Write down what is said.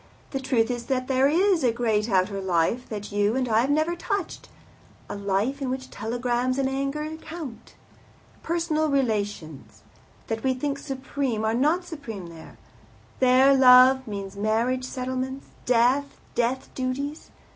The truth is that there is a great outer life that you and I have never touched a life in which telegrams and anger count. Personal relations, that we think supreme, are not supreme there. There love means marriage settlements, death, death duties.